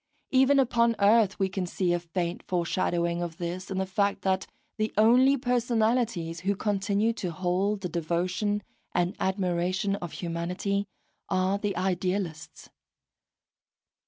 Even upon earth we can see a faint foreshadowing of this in the fact that the only personalities who continue to hold the devotion and admiration of humanity are the idealists.